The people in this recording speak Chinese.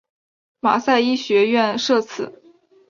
马赛医学院设此。